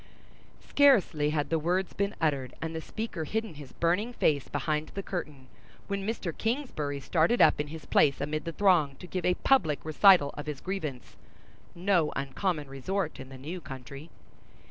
Scarcely had the words been uttered, and the speaker hidden his burning face behind the curtain, when Mr. Kingsbury started up in his place amid the throng, to give a public recital of his grievance—no uncommon resort in the new country.